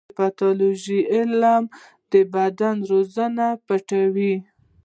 د پیتالوژي علم د بدن رازونه پټوي.